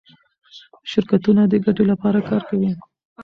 شرکتونه د ګټې لپاره کار کوي.